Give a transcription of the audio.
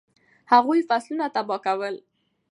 هغوی فصلونه تباه کول.